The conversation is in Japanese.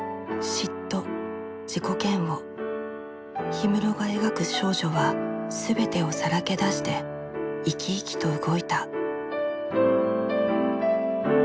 氷室が描く少女は全てをさらけ出して生き生きと動いた。